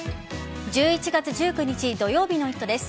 １１月１９日土曜日の「イット！」です。